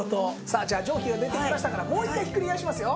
じゃあ蒸気が出てきましたからもう１回ひっくり返しますよ。